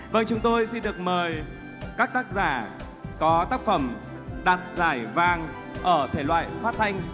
và chúng tôi xin được mời các tác giả có tác phẩm đạt giải vang ở thể loại phát thanh